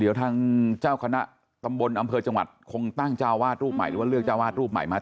เดี๋ยวทางเจ้าคณะตำบลอำเภอจังหวัดคงตั้งเจ้าวาดรูปใหม่หรือว่าเลือกเจ้าวาดรูปใหม่มา